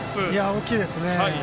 大きいですね。